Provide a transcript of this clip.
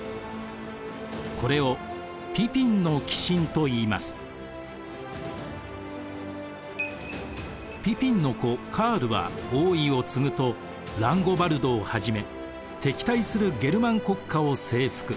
これをピピンの子カールは王位を継ぐとランゴバルドをはじめ敵対するゲルマン国家を征服。